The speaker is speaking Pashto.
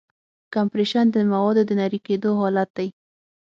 کمپریشن د موادو د نری کېدو حالت دی.